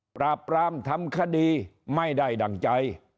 ปราบปรามทำคดีไม่ได้ดั่งใจ